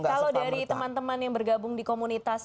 kalau dari teman teman yang bergabung di komunitas